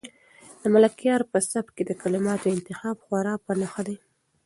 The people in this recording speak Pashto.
د ملکیار په سبک کې د کلماتو انتخاب خورا په نښه دی.